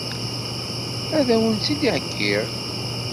Ad wen-tt-id-heggiɣ?